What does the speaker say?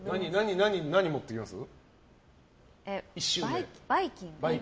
何、持ってきます？